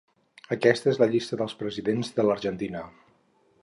Aquesta és la llista dels presidents de l'Argentina.